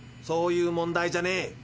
そういう問題じゃねえ。